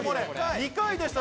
１回でした。